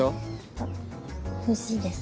あっ欲しいです